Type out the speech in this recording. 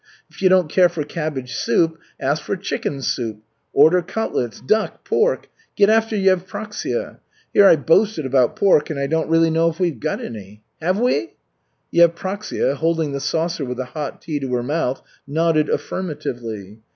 If you don't care for cabbage soup, ask for chicken soup. Order cutlets, duck, pork. Get after Yevpraksia. Here I boasted about pork and I don't really know if we've got any. Have we?" Yevpraksia, holding the saucer with the hot tea to her mouth, nodded affirmatively.